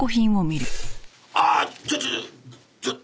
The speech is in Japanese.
ああちょっとちょっと！